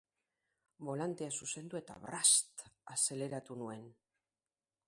Bolantea zuzendu eta brast azeleratu nuen.